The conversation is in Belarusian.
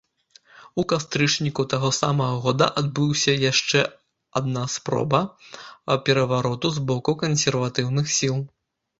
У кастрычніку таго самага года адбыўся яшчэ адна спроба перавароту з боку кансерватыўных сіл.